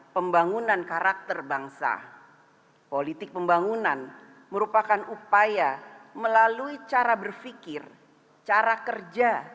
pembangunan karakter bangsa politik pembangunan merupakan upaya melalui cara berpikir cara kerja